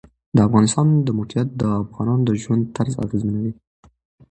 د افغانستان د موقعیت د افغانانو د ژوند طرز اغېزمنوي.